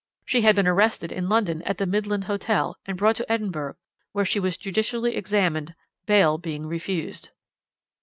She had been arrested in London at the Midland Hotel, and brought to Edinburgh, where she was judicially examined, bail being refused."